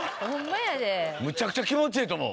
むちゃくちゃ気持ちええと思う。